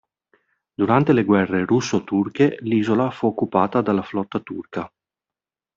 Durante le guerre russo-turche l'isola fu occupata dalla flotta turca.